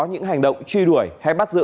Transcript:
những hành động truy đuổi hay bắt giữ